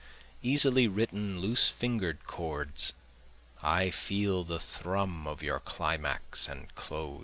Easily written loose finger'd chords I feel the thrum of your climax and close.